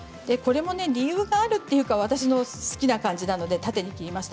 理由があるというよりも私が好きな感じなので縦に切りました。